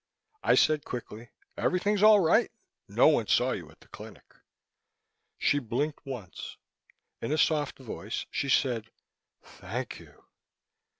I said quickly, "Everything's all right. No one saw you at the clinic." She blinked once. In a soft voice, she said, "Thank you."